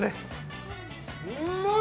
うまい！